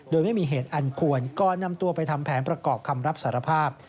โดยไม่มีเหตุอันควรก่อนนำตัวไปทำแผนประกอบคำรับสารภาพ